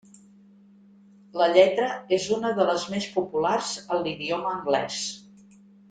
La lletra és una de les més populars en l'idioma anglès.